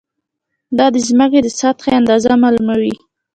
دا د ځمکې د سطحې اندازه معلوموي.